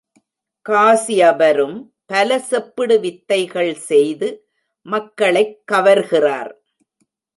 காஸ்யபரும் பல செப்பிடு வித்தைகள் செய்து மக்களைக் கவர்கிறார்.